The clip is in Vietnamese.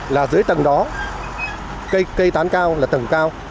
là dưới tầng đó cây tán cao là tầng cao